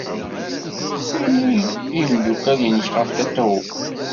Ini i yimeddukal-nnek ɣef Tatoeba.